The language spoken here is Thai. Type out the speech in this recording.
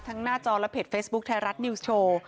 หน้าจอและเพจเฟซบุ๊คไทยรัฐนิวส์โชว์